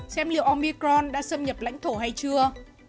xem liệu omicron đã xâm nhập lãnh thổ hay chưa